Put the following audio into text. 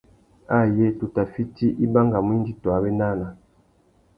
Ayé tu tà fiti, i bangamú indi tu awénana.